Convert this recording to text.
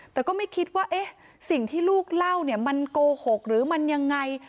แต่ก็ไม่คิดว่าเอ๊ะสิ่งที่ลูกเล่าเนี่ยมันโกหกหรือมันยังไง